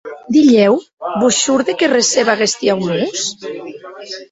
Dilhèu vos shòrde que receba aguesti aunors?